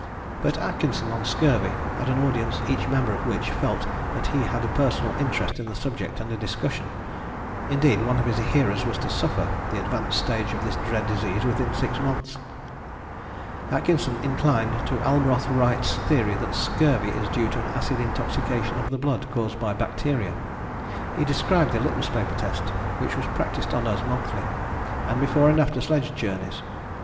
But Atkinson on Scurvy had an audience each member of which felt that he had a personal interest in the subject under discussion. Indeed one of his hearers was to suffer the advanced stage of this dread disease within six months. Atkinson inclined to Almroth Wright's theory that scurvy is due to an acid intoxication of the blood caused by bacteria. He described the litmus paper test which was practised on us monthly, and before and after sledge journeys.